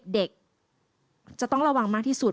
เด็กจะต้องระวังมากที่สุด